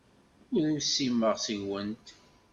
Ur usimeɣ seg-went.